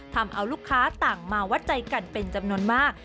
ทำเอาลูกค้าต่างมาวัดใจกันเป็นจำนวนมาก